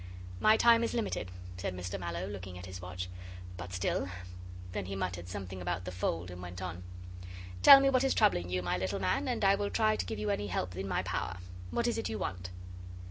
'My time is limited,' said Mr Mallow, looking at his watch; 'but still ' Then he muttered something about the fold, and went on: 'Tell me what is troubling you, my little man, and I will try to give you any help in my power. What is it you want?